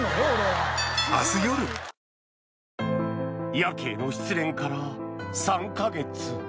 ヤケイの失恋から３か月。